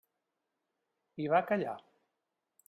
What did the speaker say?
I va callar.